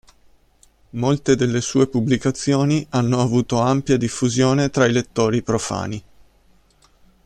Molte delle sue pubblicazioni hanno avuto ampia diffusione tra i lettori profani.